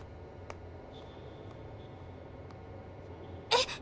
えっ？